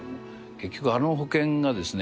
結局あの保険がですね